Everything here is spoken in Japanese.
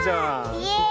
イエーイ！